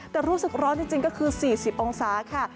แต่รู้สึกร้อนจริงก็คือ๔๐องศาค่ะ